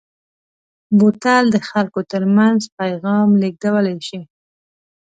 بوتل د خلکو ترمنځ پیغام لېږدولی شي.